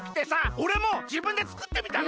おれもじぶんでつくってみたの！